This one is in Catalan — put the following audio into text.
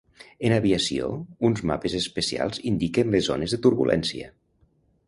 En aviació uns mapes especials indiquen les zones de turbulència.